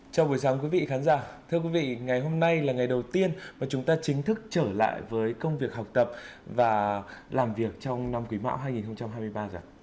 chào buổi sáng quý vị khán giả thưa quý vị ngày hôm nay là ngày đầu tiên mà chúng ta chính thức trở lại với công việc học tập và làm việc trong năm quý mão hai nghìn hai mươi ba rồi